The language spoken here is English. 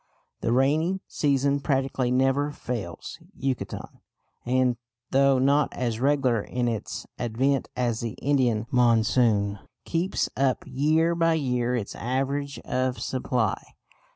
The rainy season practically never fails Yucatan; and, though not as regular in its advent as the Indian monsoon, keeps up year by year its average of supply.